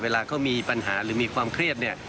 เวลาเขามีปัญหาหรือมีความเครียดเนี่ย